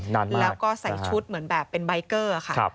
แล้วก็ใส่ชุดเหมือนแบบเป็นบ๊ายเกอร์